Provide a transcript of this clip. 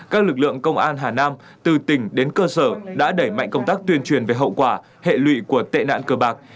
các lực lượng công an hà nam từ tỉnh đến cơ sở đã đẩy mạnh công tác tuyên truyền về hậu quả hệ lụy của tệ nạn cơ bạc